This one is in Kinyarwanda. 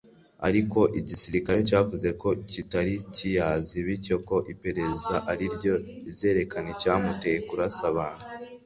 Ariko igisirikare cyavuze ko kitari kiyazi bityo ko iperereza ari ryo rizerekana icyamuteye kurasa abantu